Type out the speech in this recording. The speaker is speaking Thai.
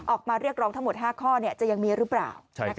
ออกมาเรียกร้องทั้งหมด๕ข้อจะยังมีหรือเปล่า